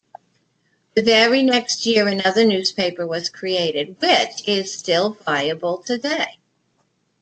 The very next year another newspaper was created, which is still viable today.